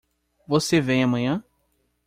Você vem amanhã?